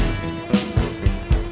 ya ini lagi serius